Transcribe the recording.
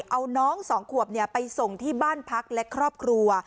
เอาน้อง๒ขวบไปส่งที่บ้านพักและครอบครัว